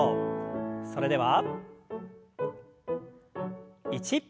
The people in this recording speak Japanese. それでは１。